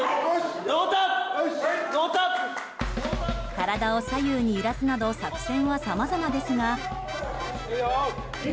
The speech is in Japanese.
体を左右に揺らすなど作戦はさまざまですが。